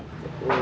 kita tunggu dulu